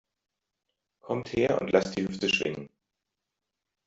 Kommt her und lasst die Hüfte schwingen!